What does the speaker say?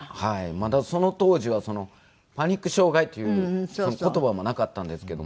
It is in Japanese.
まだその当時はパニック障害という言葉もなかったんですけども。